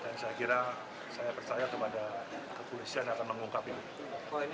dan saya kira saya percaya kepada kepolisian yang akan mengungkap ini